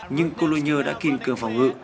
nhưng cologne đã kìm cường phòng ngự